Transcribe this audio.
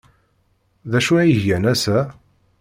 D acu ay gan ass-a?